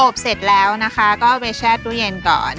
อบเสร็จแล้วนะคะก็ไปแช่ตู้เย็นก่อน